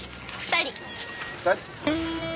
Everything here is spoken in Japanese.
２人？